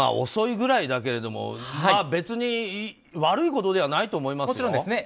遅いぐらいだけれども別に悪いことではないと思います。